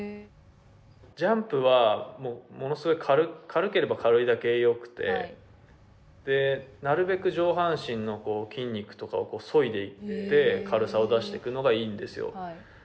ジャンプは、ものすごい軽ければ軽いだけよくてなるべく上半身の筋肉とかをそいでいって軽さを出していくのがいいんですよ。